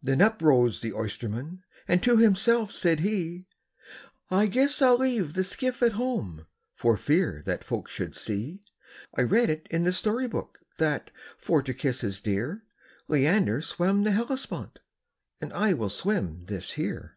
Then up arose the oysterman, and to himself said he, "I guess I 'll leave the skiff at home, for fear that folks should see I read it in the story book, that, for to kiss his dear, Leander swam the Hellespont, and I will swim this here."